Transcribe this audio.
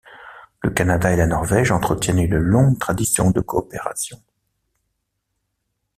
Le Canada et la Norvège entretiennent une longue tradition de coopération.